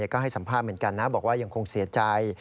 ก็ให้สัมภาษณ์เหมือนกันนะบอกว่ายังคงเสียใจ